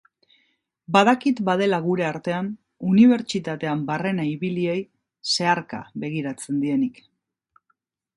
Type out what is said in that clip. Badakit badela gure artean unibertsitatean barrena ibiliei zeharka begiratzen dienik